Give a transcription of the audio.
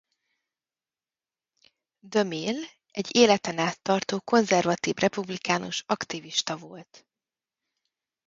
DeMille egy életen át tartó konzervatív republikánus aktivista volt.